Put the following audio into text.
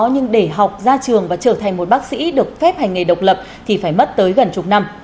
nhưng để học ra trường và trở thành một bác sĩ được phép hành nghề độc lập thì phải mất tới gần chục năm